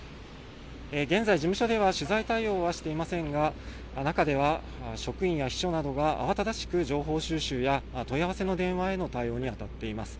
現在、事務所では取材対応はしていませんが中では職員や秘書などが慌ただしく情報収集や問い合わせの電話への対応に当たっています。